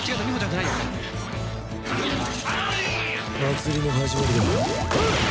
祭りの始まりだ。